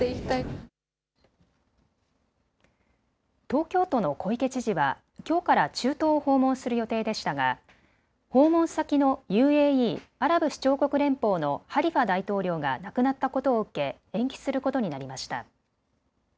東京都の小池小池知事はきょうから中東を訪問する予定でしたが訪問先のＵＡＥ・アラブ首長国連邦のハリファ大統領が亡くなったことを受け延期することになりました。